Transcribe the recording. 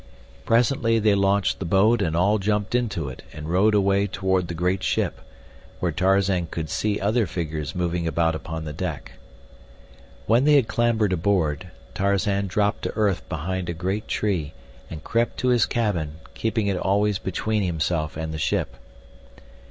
Presently they launched the boat and all jumped into it and rowed away toward the great ship, where Tarzan could see other figures moving about upon the deck. When they had clambered aboard, Tarzan dropped to earth behind a great tree and crept to his cabin, keeping it always between himself and the ship.